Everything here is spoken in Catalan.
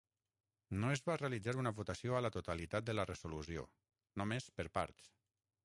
No es va realitzar una votació a la totalitat de la resolució, només per parts.